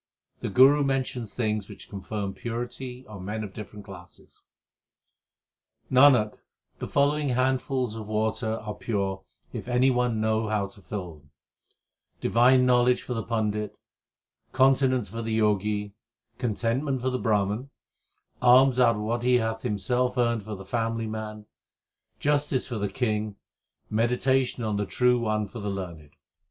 The Guru mentions things which confer purity on men of different classes : Nanak, the following handfuls 2 of water are pure if any one know how to fill them Divine knowledge for the Pandit, continence for the Jogi Contentment for the Brahman, alms out of what he hath himself earned for the family man, 3 Justice for the king, meditation on the True One for the learned.